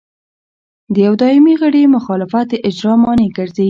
د یوه دایمي غړي مخالفت د اجرا مانع ګرځي.